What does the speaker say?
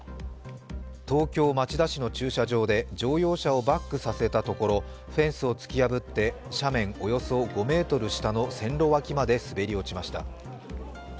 東京・町田市の駐車場で乗用車をバックさせたところフェンスを突き破って斜面およそ５ｍ下の線路脇まで滑り落ちました。